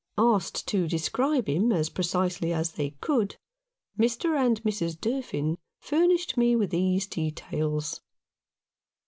Asked to describe him as precisely as they could, Mr. and Mrs. Durfin furnished me with these details.